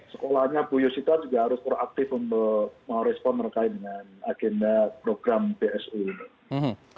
sekolahnya bu yosita juga harus proaktif untuk merespon berkait dengan agenda program bsu ini